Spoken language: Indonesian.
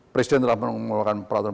presiden telah mengeluarkan peraturan